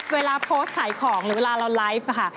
เวลาโพสต์ขายของหรือเวลาเราไลฟ์ค่ะ